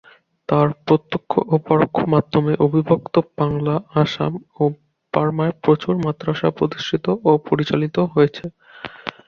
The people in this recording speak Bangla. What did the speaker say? তার প্রত্যক্ষ ও পরোক্ষ মাধ্যমে অবিভক্ত বাংলা, আসাম ও বার্মায় প্রচুর মাদ্রাসা প্রতিষ্ঠিত ও পরিচালিত হয়েছে।